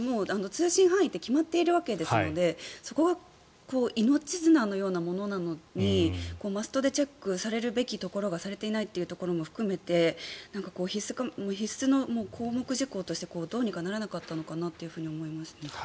通信範囲って決まっているわけですのでそこが命綱のようなものなのにマストでチェックされるべきところがされていないというところも含めて、必須の項目事項としてどうにかならなかったのかなと思いますね。